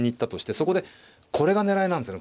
そこでこれが狙いなんですよね。